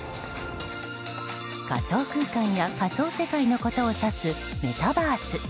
仮想空間や仮想世界のことを指すメタバース。